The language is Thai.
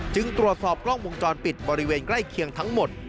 ตรวจสอบกล้องวงจรปิดบริเวณใกล้เคียงทั้งหมด